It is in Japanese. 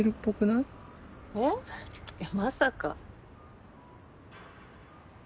いやまさか。